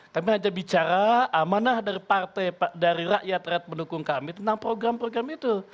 kami hanya bicara amanah dari rakyat rakyat mendukung kami tentang program program itu